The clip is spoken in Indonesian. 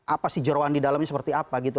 apa si jerawan di dalamnya seperti apa